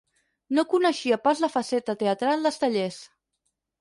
No coneixia pas la faceta teatral d'Estellés.